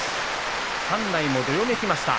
館内もどよめきました。